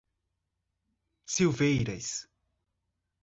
Silveiras